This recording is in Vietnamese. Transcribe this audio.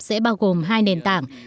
sẽ bao gồm hai nền tảng